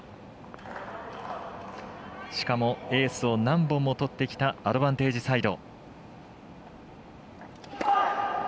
しかもエースを何本も取ってきたアドバンテージサイド。